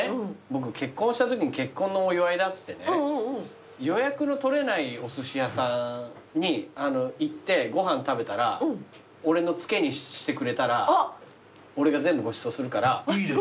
僕結婚したときに結婚のお祝いだっつってね「予約の取れないおすし屋さんに行ってご飯食べたら俺の付けにしてくれたら俺が全部ごちそうするから」いいでしょ？